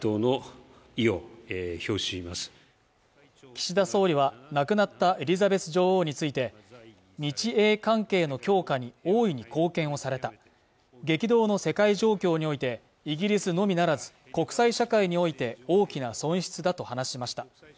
岸田総理は亡くなったエリザベス女王について日英関係の強化に大いに貢献をされた激動の世界状況においてイギリスのみならず国際社会において大きな損失だと話しました